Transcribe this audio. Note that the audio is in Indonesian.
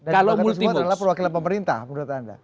dan lembaga tersebut adalah perwakilan pemerintah menurut anda